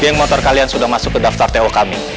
geng motor kalian sudah masuk ke daftar to kami